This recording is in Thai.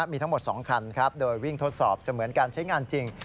มีทั้งหมด๒คันครับโดยวิ่งทดสอบเสมือนการใช้งานจริง